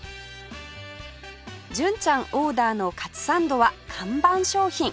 純ちゃんオーダーのかつサンドは看板商品